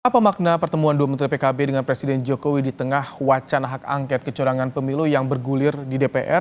apa makna pertemuan dua menteri pkb dengan presiden jokowi di tengah wacana hak angket kecurangan pemilu yang bergulir di dpr